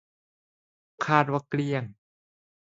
คาดว่า เกลี้ยง